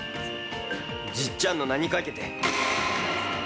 じっちゃんの名にかけて。